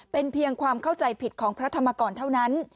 เป็นเพียงความเข้าใจผิดของพระธรรมกรเท่านั้น